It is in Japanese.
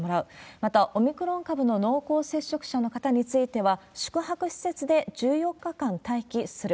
また、オミクロン株の濃厚接触者の方については、宿泊施設で１４日間待機する。